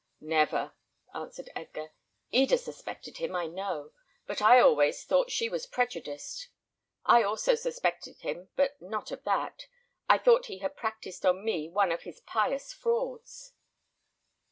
"Never," answered Edgar. "Eda suspected him, I know; but I always thought she was prejudiced. I also suspected him, but not of that. I thought he had practised on me one of his pious frauds."